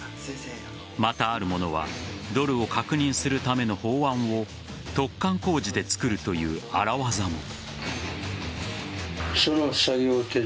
また、ある者はドルを確認するための法案を突貫工事で作るという荒業も。